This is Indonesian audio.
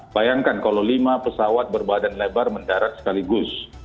bayangkan kalau lima pesawat berbadan lebar mendarat sekaligus